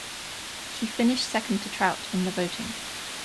He finished second to Trout in the voting.